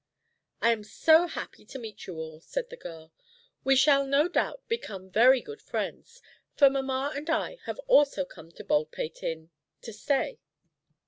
"I am so happy to meet you all," said the girl. "We shall no doubt become very good friends. For mamma and I have also come to Baldpate Inn to stay."